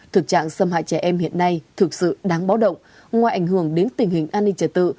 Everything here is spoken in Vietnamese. thực trạng xâm hại trẻ em hiện nay thực sự đáng báo động ngoài ảnh hưởng đến tình hình an ninh trật tự